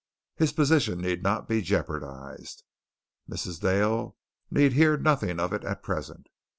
His position need not be jeopardized. Mrs. Dale need hear nothing of it at present.